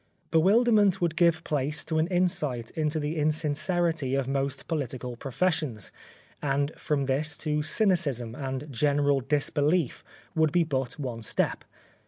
Bewilderment would give place to an insight into the insincerity of most political professions, and from this to cynicism and general disbelief would be but one step.